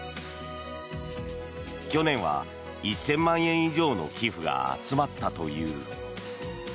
去年は１０００万円以上の寄付が集まったという。